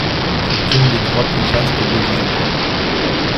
C'est une des trois plus vastes baies du Japon.